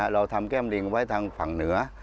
เราทำแก้มลิงไว้ทางฝั่งเหนือ